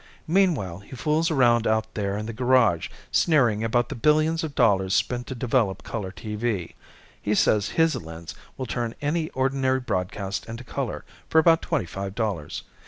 Meanwhile he fools around out there in the garage, sneering about the billions of dollars spent to develop color TV. He says his lens will turn any ordinary broadcast into color for about twenty five dollars.